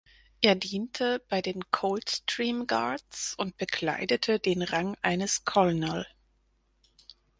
Er diente bei den Coldstream Guards und bekleidete den Rang eines Colonel.